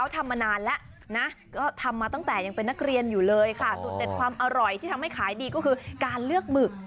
ทำมาตั้งแต่ยังเป็นนักเรียนอยู่เลยค่ะสุดเด็ดความอร่อยที่ทำให้ขายดีก็คือการเลือกหมึก